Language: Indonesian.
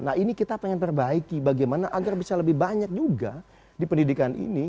nah ini kita ingin perbaiki bagaimana agar bisa lebih banyak juga di pendidikan ini